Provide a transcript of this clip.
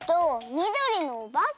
みどりのおばけ！